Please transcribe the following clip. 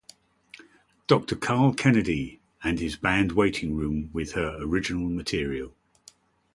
Doctor Karl Kennedy - and his band Waiting Room with her original material.